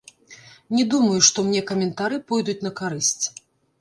Не думаю, што мне каментары пойдуць на карысць.